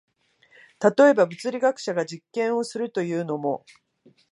例えば、物理学者が実験をするというのも、